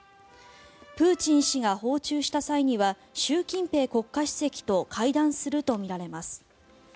プーチン氏が訪中した際には習近平国家主席と会談するとみられます。